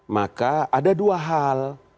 maka ada dua hal